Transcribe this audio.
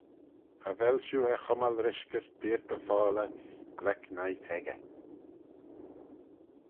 Cha vel shiu er chummal rish gys deayrtey foalley, gleck noi peccah.